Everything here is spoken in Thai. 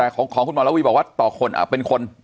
แต่ของคุณหมอระวีบอกว่าต่อคนเป็นคน